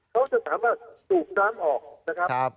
เขาจะสามารถสูบน้ำออกนะครับ